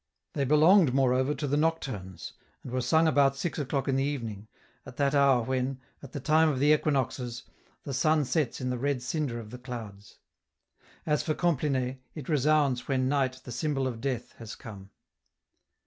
They belonged, moreover, to the Nocturns, and were sung about six o'clock in the evening, at that hour when, at the time of the Equinoxes, the sun sets in the red cinder of the clouds. As for Compline, it resounds when night, the symbol of death, has come.